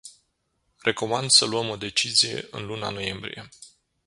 Recomand să luăm o decizie în luna noiembrie.